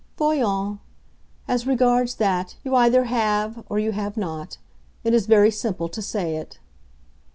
Voyons; as regards that, you either have or you have not. It is very simple to say it."